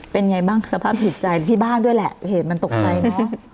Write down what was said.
เป็นไงบ้างสภาพจิตใจที่บ้านด้วยแหละเหตุมันตกใจเนอะ